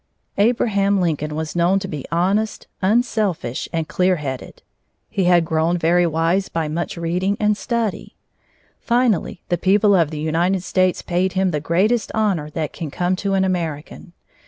Abraham Lincoln was known to be honest, unselfish, and clear headed. He had grown very wise by much reading and study. Finally the people of the United States paid him the greatest honor that can come to an American.